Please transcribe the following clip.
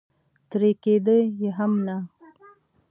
ترې کېده یې هم نه.